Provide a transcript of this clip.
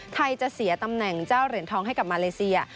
ไทยจะเสียตำแหน่งเจ้าเหรียญทองให้กับมาเลเซีย